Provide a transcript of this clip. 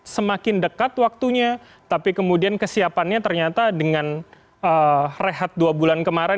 semakin dekat waktunya tapi kemudian kesiapannya ternyata dengan rehat dua bulan kemarin